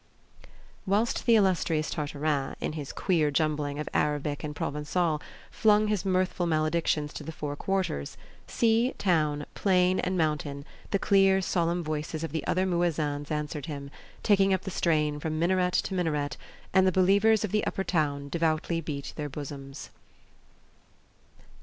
Whilst the illustrious Tartarin, in his queer jumbling of Arabic and Provencal, flung his mirthful maledictions to the four quarters, sea, town, plain and mountain, the clear, solemn voices of the other muezzins answered him, taking up the strain from minaret to minaret, and the believers of the upper town devoutly beat their bosoms.